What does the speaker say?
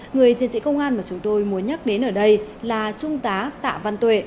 người chiến sĩ công an mà chúng tôi muốn nhắc đến ở đây là trung tá tạ văn tuệ